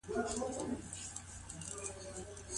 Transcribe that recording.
تل له انسانانو سره په ډيره مينه چلند وکړئ.